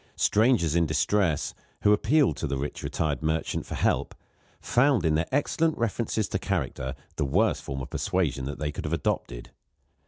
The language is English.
Strangers in distress, who appealed to the rich retired merchant for help, found in their excellent references to character the worst form of persuasion that they could have adopted.